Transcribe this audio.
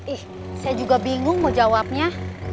ih saya juga bingung mau jawabnya